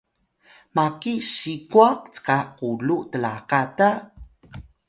maki sikwa cka kulu tlaka ta?